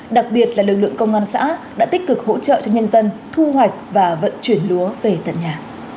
đặc biệt là lực lượng công an xã đã tích cực hỗ trợ cho nhân dân thu hoạch và vận chuyển lúa về tận nhà